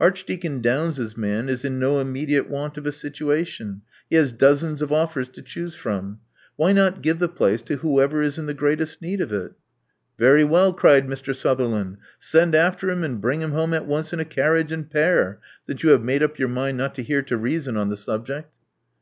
Archdeacon Downes's man is in no immedi ate want of a situation: he has dozens of offers to choose from. Why not give the place to whoever is in the greatest need of it?" /'"Very well,'' cried Mr. Siitherland. Send after him and bring him home at once in a carriage and pair, since you have made up your mind not to hear to reason on the subject."